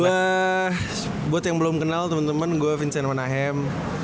gua buat yang belum kenal temen temen gua vincent manahem